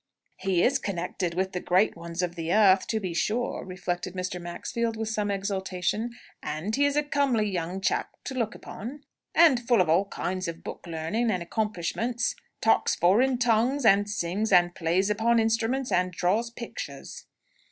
"He is connected with the great ones of the earth, to be sure!" reflected Mr. Maxfield, with some exultation. "And he is a comely young chap to look upon, and full of all kinds of book learning and accomplishments talks foreign tongues, and sings, and plays upon instruments, and draws pictures!"